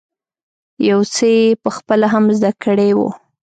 يو څه یې په خپله هم زده کړی وو.